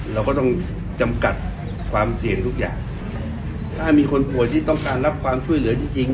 เราก็ต้องจำกัดความเสี่ยงทุกอย่างถ้ามีคนป่วยที่ต้องการรับความช่วยเหลือจริงจริง